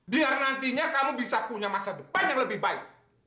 biar nantinya kamu bisa punya masa depan yang lebih baik